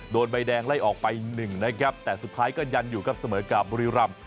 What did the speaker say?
ใบแดงไล่ออกไปหนึ่งนะครับแต่สุดท้ายก็ยันอยู่ครับเสมอกับบุรีรำ